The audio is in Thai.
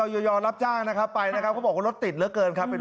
ยอรับจ้างไม่ลืม